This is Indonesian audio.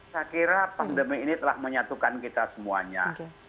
saya kira pandemi ini telah menyatukan kita semuanya